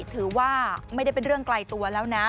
ถือว่าไม่ได้เป็นเรื่องไกลตัวแล้วนะ